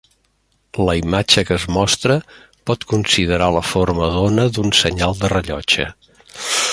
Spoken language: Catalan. La imatge que es mostra pot considerar la forma d'ona d'un senyal de rellotge.